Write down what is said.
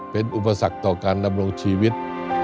เป็นอุปสรรคต่อการดำรงชีวิต